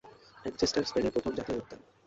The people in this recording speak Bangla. মন্টসেরাট স্পেনের প্রথম জাতীয় উদ্যান।